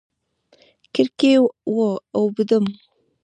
کړکۍ و اوبدم